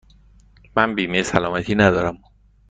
من بیمه سلامتی ندارم.